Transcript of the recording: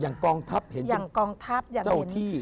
อย่างกองทัพเห็นเป็นเจ้าที่